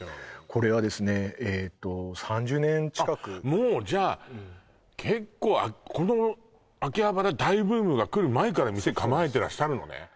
これはですねえっと３０年近くあっもうじゃあ結構この秋葉原大ブームが来る前から店構えてらっしゃるのね